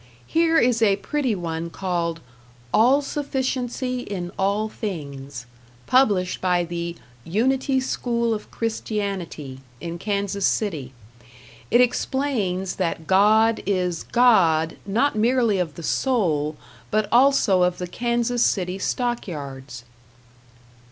Here is a pretty one called "All Sufficiency in All Things," published by the "Unity School of Christianity", in Kansas City; it explains that God is God, not merely of the Soul, but also of the Kansas City stockyards.